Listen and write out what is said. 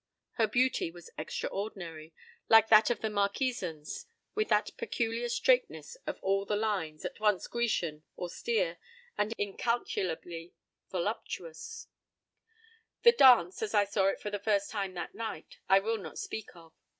Her beauty was extraordinary, like that of the Marquesans, with that peculiar straightness of all the lines, at once Grecian, austere, and incalculably voluptuous.— The dance, as I saw it for the first time that night, I will not speak of.